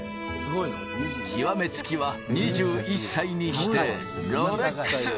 極めつきは２１歳にしてロレックス。